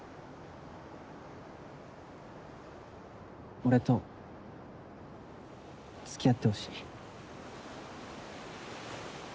俺と付き合ってほしい。